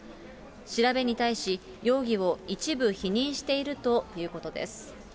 調べに対し容疑を一部否認しているということです。